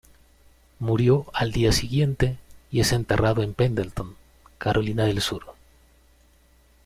Murió al día siguiente y es enterrado en Pendleton, Carolina del Sur.